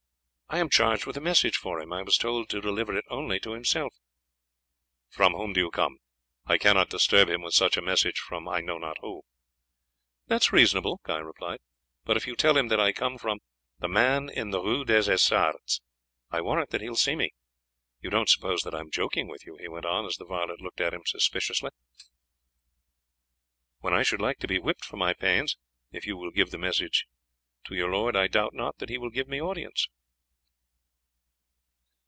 "I am charged with a message for him; I was told to deliver it only to himself." "From whom do you come? I cannot disturb him with such a message from I know not who." "That is reasonable," Guy replied, "but if you tell him that I come from the man in the Rue des Essarts I warrant that he will see me. You don't suppose that I am joking with you," he went on as the varlet looked at him suspiciously, "when I should likely be whipped for my pains. If you will give the message to your lord I doubt not that he will give me audience."